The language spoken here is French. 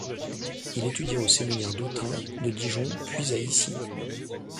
Il étudia aux séminaires d’Autun, de Dijon, puis à Issy.